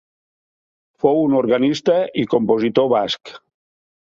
Fou un organista i compositor basc.